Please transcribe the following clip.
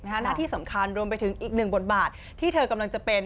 หน้าที่สำคัญรวมไปถึงอีกหนึ่งบทบาทที่เธอกำลังจะเป็น